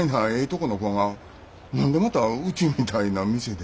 この子が何でまたうちみたいな店で。